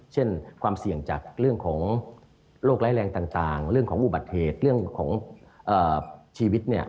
เช่นความเสี่ยงจากเรื่องของโรคร้ายแรงต่างเรื่องของอุบัติเหตุเรื่องของชีวิต